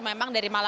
memang dari malam